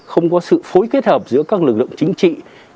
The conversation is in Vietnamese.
không có sự phối kết hợp giữa các lực lượng chính trị